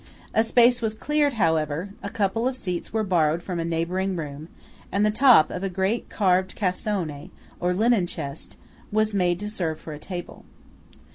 A space was cleared, however; a couple of seats were borrowed from a neighbouring room; and the top of a great carved cassone, or linen chest, was made to serve for a table.